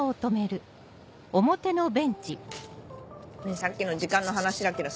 さっきの時間の話だけどさ。